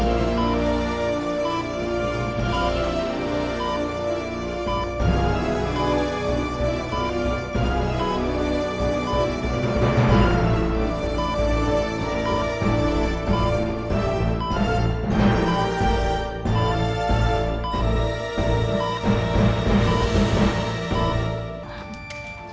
ya allah papa